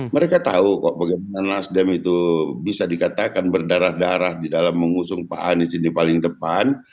mereka tahu kok bagaimana nasdem itu bisa dikatakan berdarah darah di dalam mengusung pak anies ini paling depan